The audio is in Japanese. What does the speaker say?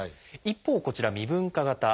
一方こちら未分化型。